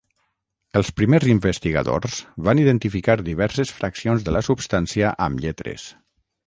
Els primers investigadors van identificar diverses fraccions de la substància amb lletres.